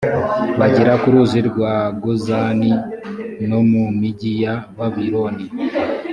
bagera ku ruzi rwa gozani no mu migi ya babiloni